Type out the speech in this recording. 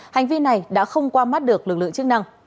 hành vi này đã không qua mắt được lực lượng chức năng